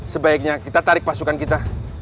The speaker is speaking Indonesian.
sebaiknya kita tarik pasukan kita